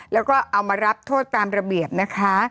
แล้วก็เอามารับโทษตามระเบียบนะคะ